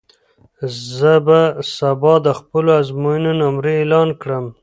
زه به سبا د خپلو ازموینو نمرې اعلان کړم.